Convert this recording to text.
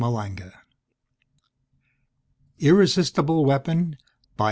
_ IRRESISTIBLE WEAPON By H.